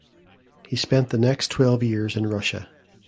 He spent the next twelve years in Russia.